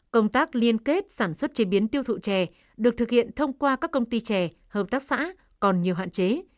công tác liên kết sản xuất chế biến tiêu thụ chè được thực hiện thông qua các công ty trẻ hợp tác xã còn nhiều hạn chế